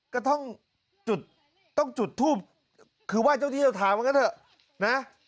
ก็ต้องจุดต้องจุดทูบคือว่าเจ้าที่จะถามกันเถอะนะ